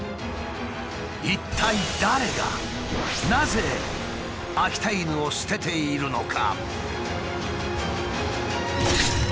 一体誰がなぜ秋田犬を捨てているのか？